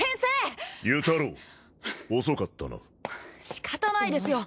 仕方ないですよ。